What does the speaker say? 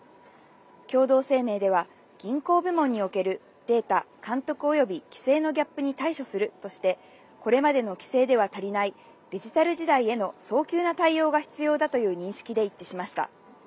共同声明では、銀行部門におけるデータ、監督および規制のギャップに対処するとして、これまでの規制では足りない、デジタル時代への早急な対応が必要だとの認識で一致しました。